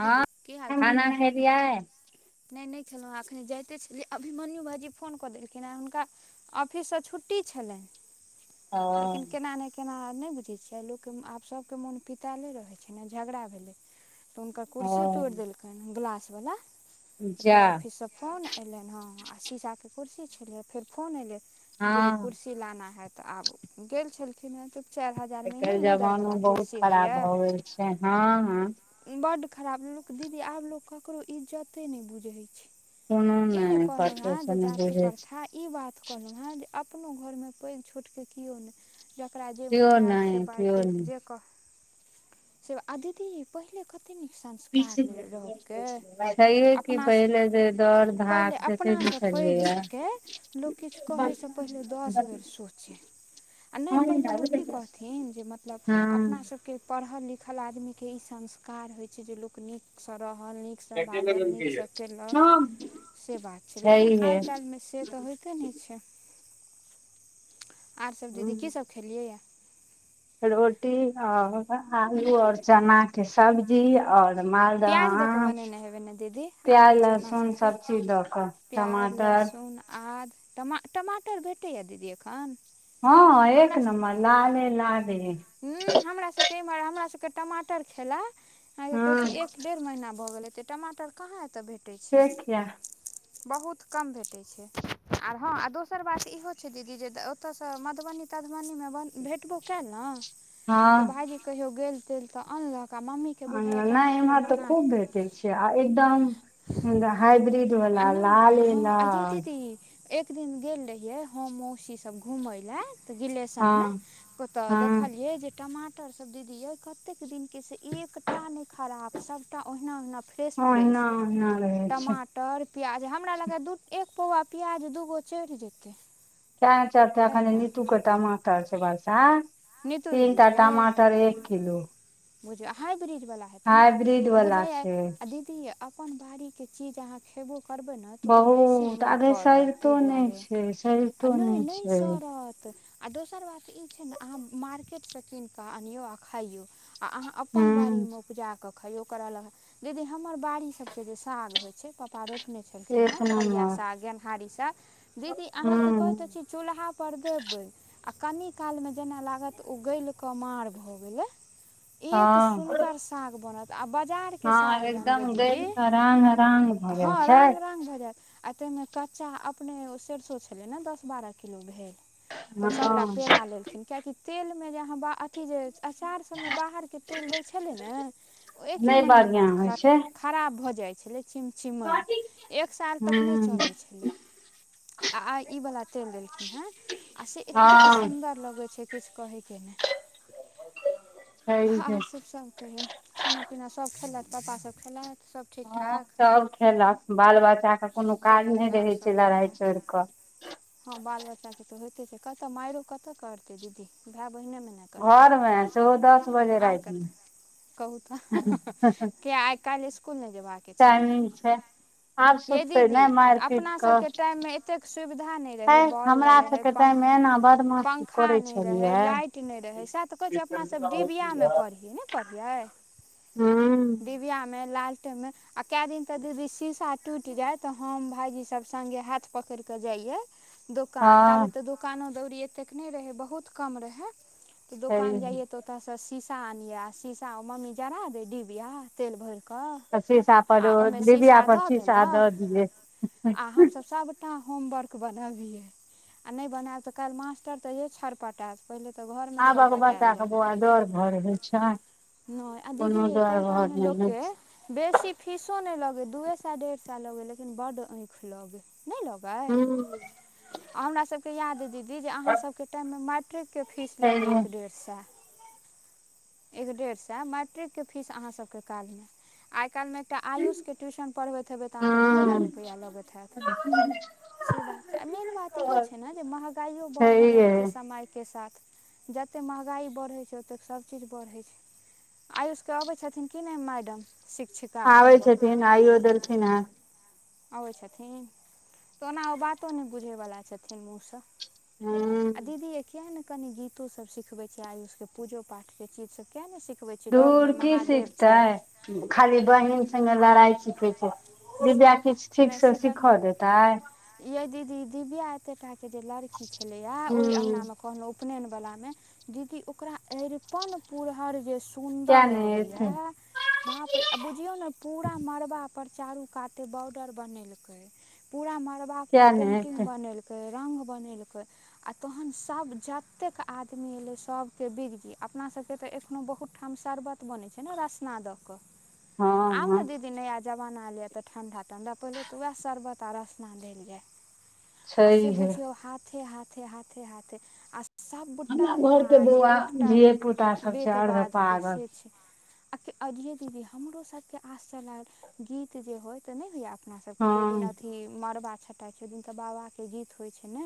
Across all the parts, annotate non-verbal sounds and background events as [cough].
हँ, की हाल चाल खाना खेलियै? नहि नैए खेलहुँ हेँ, एखन जाइते छलियै अभीमन्यू भाइजी फोन कऽ देलखिन हेँ, हुनका ऑफिस सँ छुट्टी छलैन, ओ लेकिन केना नहि केना नहि बुझै छियै, लोकके आब सभके मोन पितैले रहै छै ने झगड़ा भेलै। तऽ हुनकर ओ कुर्सी तोड़ि देलकैन, गिलास बला। तऽ जा फेर ऑफिस सँ फोन अयलनि हेँ, आ शीशाके कुर्सी छलै फेर फोन अयलै। गे हँ कुर्सी लाना है, तऽ आब गेल छलखिन हेँ तऽ चारि हजार आइ मे नैय काल्हि लेदर जमानो वाला बहुत कुर्सी खराब होइया। भऽ गेल छै हँ हँ इ बड खराब लोक दीदी आब लोक ककरो इज्जते नहि बुझहैय छै। कोनो ई नहि कहलहुॅ कतहु हेँ से जे नहि जाति बुझै छै प्रथा, ई बात कहलहुॅ हेँ जे अपनो घरमे पैघ छोटके केओ नहि। जेकरा जे मुँह केओ मे आयब से नहि बाजि केओ देत, नहि जे कह से आ दीदी पहिले कत कते निक संस्कार रहैय रोकके। [unintelligible] ओना, जे दौड़ पहिले भाग देखे अपना नहि सँ पैघ छलियै स केै लोक किछु कहैसँ पहिले दस बेर सोचे। नहि पहिले लोक की कहथीन, जे मतलब अपना हँ स सब के पढ़ल लिखल आदमी के ई संस्कार होइ छै जे लोक नीकसँ रहल नीक नीक से बाजल, नीक से केलक, हँ से बात छै। लेकिन छैहे आइ कालि मे से तऽ होयत कते नहि छै, आर सब दीदी की सब खेलियै या। रोटी और आलू और चना के सब जी आओर मालदह प्याज दऽ कऽ आम, बनेने हेबै ने दीदी आलू प्याज चना लहसुन सबके सब चीज दऽ कऽ प्याज, टमाटर लहसुन, आद, टमा टमाटर भेटैया दीदी एखन। हँ एक नम्बर लाले- लाले। हँ हमरा सभके इम्हर हमरा सभ के टमाटर खेला अहाँ के कहै हँ छी एक डेढ़ महीना भऽ गेल हेतै, टमाटर कहाँ एतय भेटैय छै। से किया बहुत कम भेटैय छै। आर हँ आ दोसर बात इहो छै दीदी, जे ओतयसँ मधुबनी तधुबनी मे भेटबो कैल न तऽ हँ भायईजी कहियो गेल तेल तऽ अनलक, आ मम्मी अन न नहि इम्हर तऽ खूब भेटै छै, आ एकदम हाइब्रिड केवल आ लाल नहि लाले हँ आ लाल। [unintelligible] एक दिन गेल रहियै हम मौसी सब घुमय लए तऽ रिलेशनमे हँ ओतऽ हँ देखलियै जे टमा ओतअ स दीदी यै कतेक दिनके से एकटा नै खराब सबटा ओहीना- ओहीना फू फ्रेश- फ्रेश ओहिना ओहिना रहै छै टमा टर, प्याज। हमरा लगैए दू एक पौआ प्याज दूगो चैढ़ जेतै। [unintelligible] एखन तहिना नितू के टमाटर छैय बर्षा नीतू तीनटा दीदीके टमाटर एक किलो। बुझियौ हाइब्रिज वला हेतै ने हाइब्रिड वाला बुझैए छै आ दीदी यै अपन बाड़ीके चीज अहाँ खेबो करबै ने त ओ बेसी बहुत गुण आगे करत तै सरितो नहि दुआरे छै आ सरितो नै नहि नै छै सड़त आ दोसर बात ई छैय ने अहाँ मार्केटसँ कीन कऽ आनिऔ आ खइऔ आ अहाँ अपन बाड़ी हूँ में उपजा कऽ खइयो ओकरऽ अलग, दीदी हमर बाड़ी सबके जे साग होइ छैय पप्पा रोप ने छलखिन हेँ एक ठरिया नम्बर साग गेनहारी साग दीदी अहाँके कहै त हूँ छी चूल्हापर देबै आ कनि कालमे जेना लागत ओ गैल कऽ माँर भऽ गेलै। एक हँ सुन्दर साग बनत आ बाजार के हँ साग जे अनबै एकदम दीदी, देल के रांग रांग भऽ जाइ हाँ रांह छै रांह भऽ जैत। आ तै मे कच्चा अपने ओ सरिसो छलै ने दस बारह किलो भेल तऽ ओ सभटा पेरा हँ लेलखिन, कियकि तेलमे जे अहाँ अथी जे अचार सभमे बाहर तेल दै छलै नै ओ एके नहि महिना बढ़िआँ बाद होइ छै ख-खराब भऽ जाइ छलै छिमेन, एक साल तक नै हूँ चलै छलै। आ आइ ई वला तेल देलखिन हेँ आ से एतेक हँ सुन्दर लगैत छै किछु कहयके नै। छैहे छै। आर सब सभ कहियौ, खाना पीना सभ खेलत पप्पा सभ खेलत सभ। ठीक हाँ ठाक सब खेलक। बाल बच्चाके कोनो सभ काज नै खेलक रहै छैय लड़ाइ छोड़ कऽ। हाँ बाल बच्चाके तऽ होयइते छैय, कतऽ माइरो कतऽ करते दीदी भाय बहिनेमे ने करतै, घर मे सेहो दस बजे आर राति मे कतै, कहुँ तऽ किए काइल स्कुल नै जेबाक छै। टाइमिंग छै आब यै सुततै दीदी नहि मारि पीट अपना सभके कऽ टाइममे एतेक सुबिधा नै हे रहै, बॉल नै हमरा रहै, सबके टाइम मे एना बदमाशी पंखा करै नै रहै, छलियै लाइट नै रहै सभ तऽ कहै छैय अपना सब डिबियामे पढ़ियै, ने पढ़ियै। हूँ। डीबियामे, लालटेनमे आ कै दिन त दीदी शीशा टूइट जेत तऽ हम भाईजी सब संगङ्गे हाथ पकड़ कऽ जाइयए दोकान हँ ताबे तऽ दो दोकानो दौरी एतेक नै रहे बहुत कम रहे त दोकान छैहे जाइयै तऽ ओतय से शीशा आनिये, शीशा मम्मी जरा दे डिबया तेल भर कऽ तऽ शीशा पर ओ मे शीशा डिबिया पर शीशा दऽदेलक दऽ दियै आ हम सभ सबटा होमवर्क बनबिहै आ नै बनायब तऽ काल्हि मास्टर तऽ [unintelligible] छड़ पटायत पहिले तऽ घरमे आबक छरपटायल। बच्चा के बौआ डर भर होइ छै नय आ दीदी कोनो यै तै डर भर कालमे नहि लोककेँ बेसी फीसो नै लगै, दुइए सौ डेढ़ सौ लगै लेकिन बड आँखि लगै। नै लगै, होइ आ हमरा सबके याद अइ दीदी जे अहाँ सबके टाइममे मेट्रीक के फीस छै लगै हूँ छैहे, एक डेढ़ सए। एक डेढ़ सए मैट्रिकके फीस अहाँसभके कालमे। आइकाइल एकटा आयुषके ट्यूशन पढ़बैत हेबै, तऽ अहाँके दू हजार रुपैया लगैत हयैत। हँ। से बात छै, आ मेन बात इहो छै, ने जे महँगाइओ बढ़य छैहे लगैत छै, समयके साथ। जतेक मंहगाई बढ़ैत छै, ओतेक सभचीज बढ़ैत छै। आयुषके अबै छथिन कि नै मैडम। शिक्षिका आबै पढ़बऽ छथिन आइो दलखीन हेँ। अबै छथिन तऽ ओना ओ बातो नहि बुझै बला छथिन मुँह सँ।। हँ। आ दीदी किएक नहि कनी गीतो सब सिखबै छै, आयुषके पूजो पाठ से चीज सब किआक नहि सिखबै छी, धूर लगमे की महादेव सिखतै छथि। खाली बहिन से लड़ाई सीखे छैया, किछु ठीक से सीख देत। तइ। ये दीदी दिव्यिया एते टा के जे लड़की छले, ये ओई हूँ अंगना मे कहलहु उपनयन वाला में दीदी एरता में पुरहर जै। किया सुंन्दर नहि अबे एतै या बाप बुझियौ ने पूरा मड़बा पर चारू काते बॉर्डर बनेलक पूरा मड़बा पर किया नहि पेंटिंग एतै बनेलक रङ्ग बनेलक आ तहन सभ जतेक आदमी, एलै सभके बिग जी अपनासभके तऽ एखनोहु बहुत ओहिठाम शर्बत बनै छै, ने रासना द के ह आउ ने दीदी नया जमाना ले, तऽ ठण्डा ठण्डा पहिले, तऽ उएह शर्बत आ रस्ना देली। आ से छैहे बुझिय हाथ हाथ हाथ हाथ सभटा हमरा घर के काज बौआ एकटा धिये पुता सब छै वेध अर्ध वाधके पागल से छै। आ अजे दीदी हमरो सबके आस चलाल गीत जे होय ते नहि होइया अपना सभके जाहि दिन हँ अथि मड़बा छँटाइ छै, ओहि दिन तऽ बाबाके गीत होइ छै ने।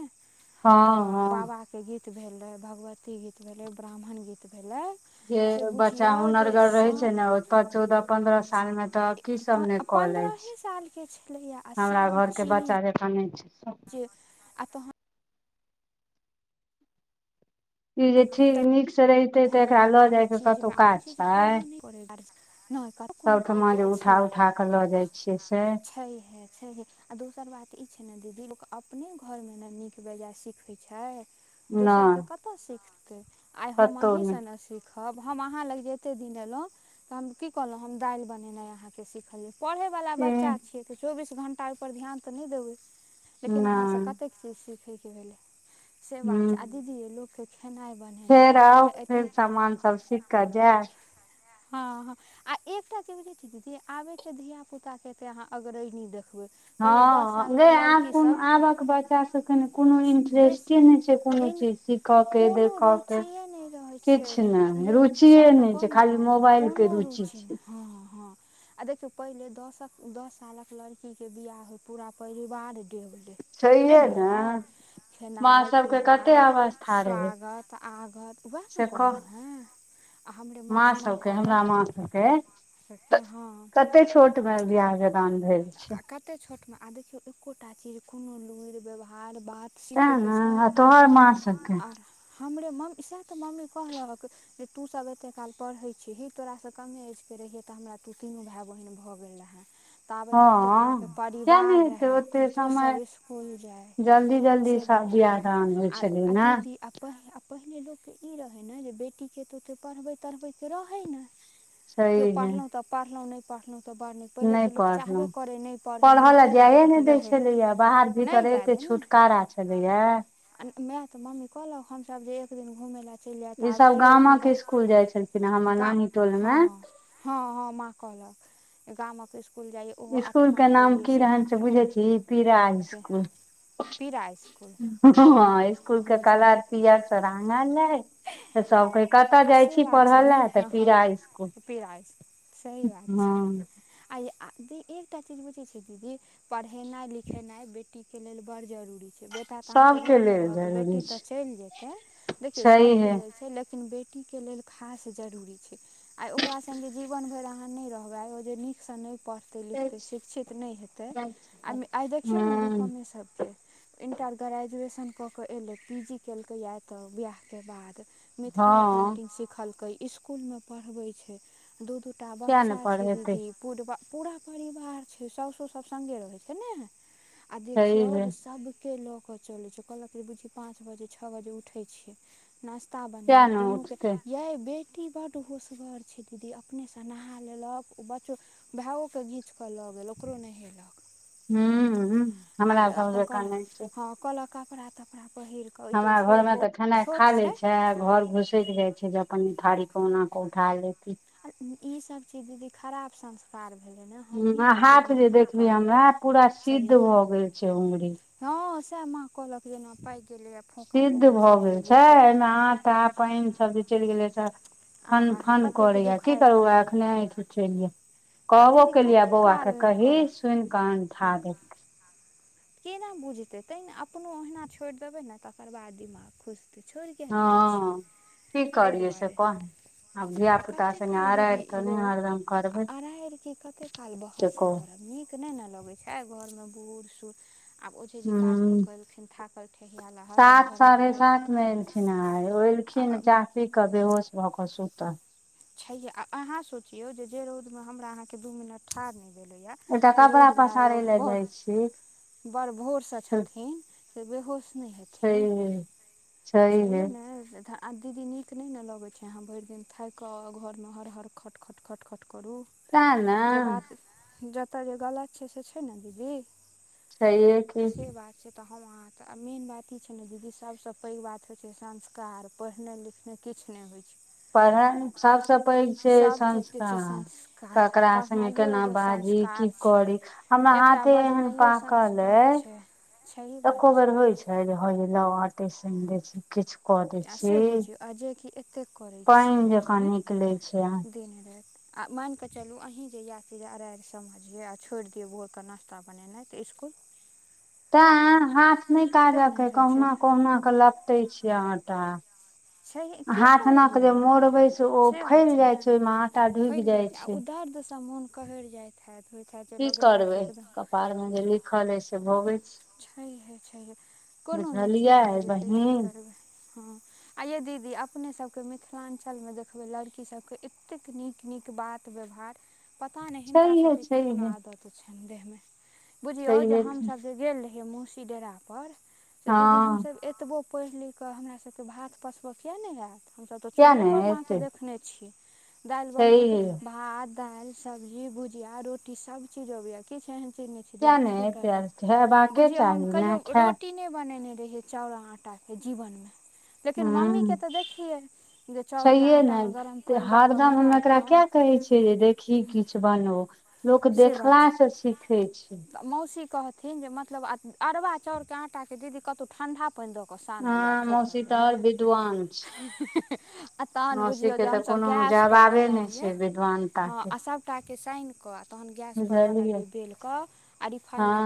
हँ तऽ हँ बाबाके गीत भेलै, भगवती गीत भेलै, ब्राह्मण गीत भेलै। के से बच्चा बुझियौ जे हुनरगर रहे सभ छै, ने ओतऽ चौदह पन्द्रह साल में तक प पन्द्रहे सालके छलैए आ हमरा घर के सभचीज बच्चा जकाँ नहि छै तऽ आ तहन। ई जे तऽ ठीक नीकसँ रहितै, तऽ एकरा भेनाइ लऽ जायके कतहु काज छै। न कोनो क सबठमा क जे छै उठा उठा कऽ लऽ जाइ छियै से छै। छैे आ दोसर बात ई छै, ने दीदी लोक अपने घरमे ने नीक बेजाय सिखै छै। नहि दोसरकेँ कतय सीखतै आइ, हम कतहु अहीसँ नहि ने सीखबै सिखब हम अहाँ लग एतेक दिन एलहुँ, तऽ हम की कहलहुँ, हम दालि बनेनाइ अहाँके सिखलिय पढ़ैवला बच्चा एह छियै, तऽ चौबीस घंटा ओहिपर ध्यान, तऽ नहि देबै लेकिन अहाँसँ नहि कतेक चीज सीखय के भेलै से बात हूँ छै, आ दीदी य लोकके खेनाइ बनेनाइ फेर आउ पहिले एतने फेर सामान सब सीख कऽ जाय हँ हॅं। आ एकटा की बुझैत छियै, दीदी आबयके धियापुताकेतऽ अहाँ अग्रहिणी देखबै पहिले दस हँ सालके आब को लड़कीसभ आबक बच्चा सबके ने कोनो बेस इंटरेस्टे नहि छै, कोनो एहन चीज सख क के दे कोनो क के रुचिए नहि रहै छै किछु आ ने ई रुचिए ने छै, खाली मोबाइल के रुचि। पुछी ने छै हँ हँ हँ। आ देखियौ पहिले दसक दस सालक लड़कीके बियाह होइ पूरा परिवार डे होलै। छैहे ने। माँ खेनाइ सबके कते पिनाइ अवस्था रहै स्वागत आगत उएह ने से कह कहलहुँ हेँ। आर हमरे मास माँ मास सबके हमरा माँ सबके हँ कते छोट मे बिवाह दान भेल छै। आ कतेक छोटमे आर देखियौ एकोटा चीज कोनो लुरि व्यवहार बात तें सीखयके ने छै आ तोहर मा सबके आर हमरे मम्मी सैह त मम्मी कहऽ लगलकै जे तू सब एते काल पढ़ै छीही तोरासँ कमे एजके रहियै तऽ हमरा तू तीनू भाय बहिन भऽ गेल रहै। त। हँ कहलक ओतेटा के किया नहि परिवार हेतै रहे ओते तू समय सब स्कूल जाय, जल्दी जल्दी से सब बात बियाह रहै। दान होइ आब छलै आर ने दीदी आ पैर [unintelligible] पहिने लोकके ई रहै ने जे बेटीके त ओतेक पढ़बै तढ़बैके त रहै नै जे सही मे पढ़लों तऽ पढ़लों नहि पढ़लहु तऽ बड़ नीक पहिले नहि तऽ लोक पढ़लहु चाहबे करै नहि पढ़ै पढ़ऽ मूर्ख लए जाइयो चपाट ने दै रहै छलैये बाहर भीतर नहि एते छुटकारा छलैये वैह तऽ मम्मी कहलक हमसब जे एक दिन घूमय ले चलि जाय त आब ईसभ कियो एहन गामक घ स्कुल जाइ छलखिन हमर गाम नानी हँ। टोलमे हँ हँ माँ कहलक जे गामक इसकूल जाइ। इसकुल के नाम की रहैन से बुझै छीही पिरा के इसकुल। पीरा इसकुल। हँ इसकुल के बुझू कलर पियर से रंगल रहै। तऽ सभ कहै कतय आ जाइ से छी बात पढ़य छै ने ले तऽ हँ हँ पीरा इसकुल। पीरा इसकुल सही बात छै हँ। आ यै आ एकटा चीज बुझै छियै दीदी। पढ़ेनाइ लिखेनाइ बेटी के लेल बड़ जरूरी छै। बेटा तऽ अहाँके सभके घर मे लेल रहत, जरूरी बेटी ते छै चैल जेतै, देखियौ सब छैहे के लेल छै लेकिन बेटी बेटी के लेल खास जरूरी छै। आइ ओकरा संगे जीवन भरि अहाँ नै रहवै। जे नीक से नहि पढ़। पढ़तै लिखतै शिक्षित नहि हेतै, आइ आइ देखियौ ने हँ रूपमे सभके। इण्टर ग्रेजुएशन कऽ कऽ एलै पी जी केलकैया तऽ बिआहके बाद मिथिला हँ पेन्टिंग सिखलकै इसकूल में पढ़वे छै, दू दूटा किया ने बच्चा छै पढ़ेतै दीदी। पूरबा पूरा परिवार छै, साउसो सभ संगे रहै छै ने। आ देखियो छैहे जे सब के लऽ क चलै छै कहलक जे बुचि पाँच बजे छ बजे उठय छीयै नस्ता किया बनेलौ ने दुनू उठतै यै बेटी बड होशगर छै दीदी अपनेसँ नहा लेलक ओ बच्चो भेयोकेँ घीँच कऽ लऽ गेल ओकरो नहेलक। हूँ हूँ आर हमरा सब अपन जकाँ कहल नहि छै। हँ कहलक कपड़ा तपड़ा पहिर कऽ ई तऽ हमरा छो घर में तऽ बौआ खेनाइ छोट खा ले छै घर घुसैक जाय छै। जे अपन इ थारी कहुना कऽ उठा लेती। ई सब छियै दीदी खराब संस्कार कार भेलै ने। हुं हमही आ अहाँ हाथ जहन जे एना देखबी करबै हमरा, पूरा सिद्ध छैहे भऽ गेल छै अंगुरी। हँ सएह माँ कहलक जे एना पाकि गेलैये। सिद्ध भए गेल छै ऐमे आटा आ बुझियौ पानि सब जे चलि गेलै ते फन आहा हा फन कतेक करैए की दुखाइत करू हैत हउआ एखने। उठेलियै, आ कहबो दीदी केलियै कतेक बौआ काल के नहि कही करऽ सुन कऽ अनठा हँ देलकै। केना बुझते तैने अपनो ओहिना छोड़ि देबे ने तकर बाद दिमाग खुजतै। छोड़ि किया नहि दै छी। हँ की ताहि करियै से दुआरे कह। आब धिया आ पुता कते सङ्गे काल दीदी अरारि तऽ नहि लोक हरदम आ करबै अराइर के कते काल से बहसे कहू करब। नीक नहि ने लगै छै घरमे बूढ़ सूढ़ आब ओझेजी काज कऽ हूँ क एलखिन थाकल ठहियाल आ हरदम घर मे साढे सात मे एलछी। नै ओ एलखिन मारि चाह पी कऽ बेहोश भऽ कऽ सुतल छैहे आ अहाँ सोचियो जे जै रौद में हमरा अहां के दू मिनट ठाढ़ ने भेल हौयै एकटा ओ कपड़ा रौदमे आय ओ पसारै लए ब जाइ छी। बड़ भोरसँ छथिन। से बेहोश नहि हेथिन, छैहे छैहे छैये ने। दीदी नीक नहि ने लगै छै अहाँ भरि दिन थाकि कऽ आउ आ घरमे हर हर खट खट खट खट करू। तें ने जे बात जतय जे गलत छै से छै ने दीदी। छैहे कि। ठीक बात। तऽ हम अहाँ त आ मेन बात ई छै ने दीदी सभसँ पैघ बात होइ छै संस्कार पढ़नाइ लिख ने किछु नहि होइ छै। पढ़ल सबसँ पैघ छै सब चीज के छै संस्कार संस्कार ककरा संगे पढ़नाइयो केना एगो बाजी की संस्कार छै करी हमरा एकटा हाथे एहन बजनाइओ पाकल संस्कार अइ छै। सही बात एको बेर होइ छै जे हं यै लाई आटे सानि दै छी। किछु कऽ दै आ छी से बुझियौ आ जेकि एतेक करै पानि छियै जकाँ हूँ निकलै छै अ दिन राति। आ मानि कऽ चलू अहीँ जे इएह चीज अरारि समझियै आ छोड़ि दियौ भोरके नाश्ता बनेनाइ तऽ इसकुल [inaudible] तैँ हाथ नहि तऽ काजक नहि अइ होइ छै कहुना कहुना कऽ लपटै छियै आटा। छै की हाथ एनाक करबै जे मोड़बे से ओ फैल जाय छै ओहिमे आटा ढुकि फैल जाइ जाय छै। आ ओ दर्दसँ मोन कहरि जाइत हैत होइत हैत जे की लगैत हैत जे करबै एकदम कपार मे जे लिखल अइ से भोगै छी। छैहे छैहे कोनो नहि बुझलियै ठीक भऽ जेतै की बहिन करबै हँ। आ यै दीदी अपने सबके मिथिलाञ्चलमे देखबै लड़की सबके एतेक नीक नीक बात व्यवहार पता नहि हिनका छैहे सबके क्युन छैहे आदत छनि देह में बुझियौ जे छैहे हम की सब जे गेल र हियै मौसी डेरा पर से दीदी हँ हमसब एतबो पढ़ि लिख कऽ हमरासबके भात पसबऽ किए नहि हैत। हमसभ तऽ किया ने चूल्हेपर माॅंके एतै देखने छियै दालि बनबैके छैहे भात, दालि सब्जी, भुजिया, रोटी सबचीज अबैया किछु एहन चीज नहि छै किया दीदी ने एतै छूटल अइ। आर हेबाके बुझियौ हम चाही कहियो ने खाय रोटी नहि बनेने रहियै चाउर आटाके जीवनमे लेकिन हूँ मम्मीके तऽ देखियै जे चाउरके छैहे ने आटामे गरम तऽ पानि दऽ कऽ हरदम हमे एकरा मिलाकऽ किया कहै छीयै जे देखही किछ बनो लोक से बात देखला स सीखे छै। मौसी कहत थिन जे मतलब अरबा चाउरके आटाके दीदी कतौ ठण्डा पानि दऽ कऽ हँ सानल जाय आ ठोकल मौसी तऽ जाय, आओर विद्वान छै हे हे हे आ तहन मौसी बुझियौ जे के तऽ हमसभ कोनो गैसपर जवाबे नहि बनबियै छै विद्वानता हँ के आ सभ टा के साईन क तहन गैस पर बुझलियै बनबियै बेल कऽ आ रिफाइन हँ लग